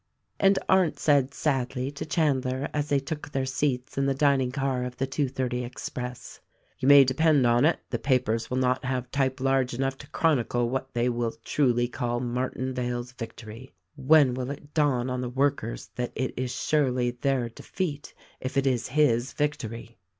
,. And Arndt said sadlv to Chandler as they took their seats in the dining car of the two thirty express : "You may depend on it, the papers will not have type large enough to chronicle what they will truly call 'Martinvale's victory.' When will it dawn on the workers that it is surely their defeat if it is his victory?"